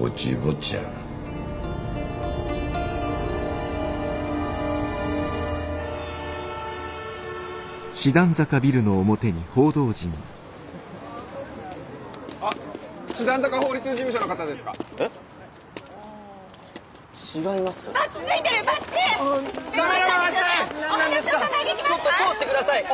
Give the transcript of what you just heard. ちょっと通してください。